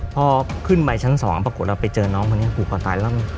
พอขึ้นไปชั้น๒ปรากฏเราไปเจอน้องคนนี้ผูกคอตายแล้ว